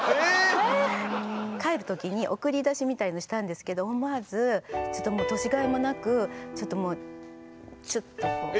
帰る時に送り出しみたいのしたんですけど思わずちょっともう年がいもなくちょっともうチュッとこう。